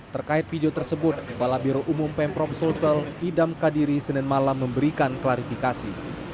terkait video tersebut kepala biro umum pemprov sulsel idam kadiri senin malam memberikan klarifikasi